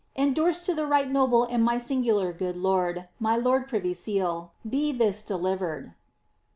Endorsed to the right noble and my singular good lord, my lord Privy Seal, be this delivered."